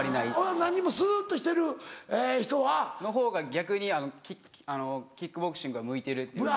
何にもすっとしてる人は？のほうが逆にキックボクシングは向いてるっていうか。